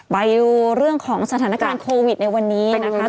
ไปดูเรื่องของสถานการณ์โควิดในวันนี้นะคะ